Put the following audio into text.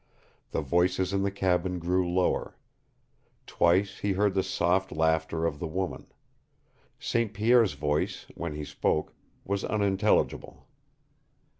The voices in the cabin grew lower. Twice he heard the soft laughter of the woman. St. Pierre's voice, when he spoke, was unintelligible.